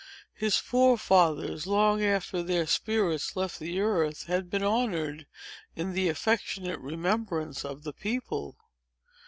His forefathers, long after their spirits left the earth, had been honored in the affectionate remembrance of the people.